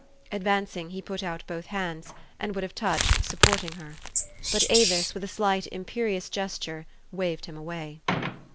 Advancing, he put out both hands, and would have touched, supporting her. But Avis, with a slight, imperious gesture, waved him away.